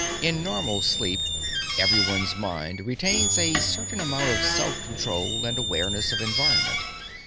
In normal sleep, everyone's mind retains a certain amount of self control and awareness of environment.